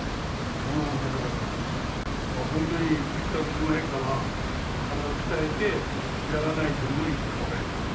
うんだから本当に１か月前から体を鍛えてやらないと無理っていうの分かります。